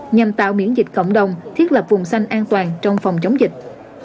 nhằm tạo miễn dịch cộng đồng thiết lập vùng xanh an toàn trong phòng chống dịch